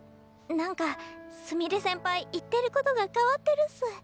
何かすみれ先輩言ってることが変わってるっす。